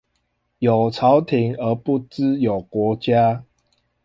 有朝廷而不知有國家